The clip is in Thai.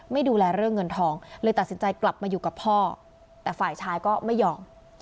ไม่ดูแลเรื่องเงินทองเลยตัดสินใจกลับมาอยู่กับพ่อแต่ฝ่ายชายก็ไม่ยอม